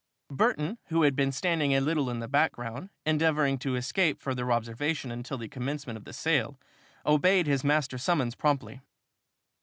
Burton, who had been standing a little in the background, endeavoring to escape further observation until the commencement of the sale, obeyed his master's summons promptly.